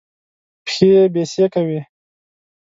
پښې يې بېسېکه وې.